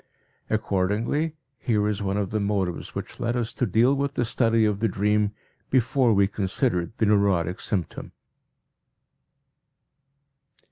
Accordingly here is one of the motives which led us to deal with the study of the dream before we considered the neurotic symptom.